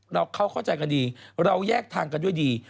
เข้าใจกันดีเราแยกทางกันด้วยดี